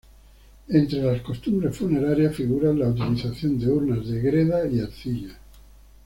Entre las costumbres funerarias, figura la utilización de urnas de greda, y arcilla.